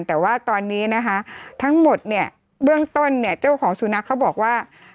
แต่ว่าตอนนี้นะคะทั้งหมดเนี่ยเบื้องต้นเนี่ยเจ้าของสุนัขเขาบอกว่า